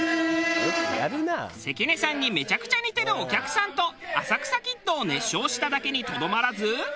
関根さんにめちゃくちゃ似てるお客さんと『浅草キッド』を熱唱しただけにとどまらず。